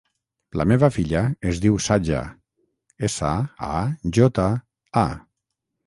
La meva filla es diu Saja: essa, a, jota, a.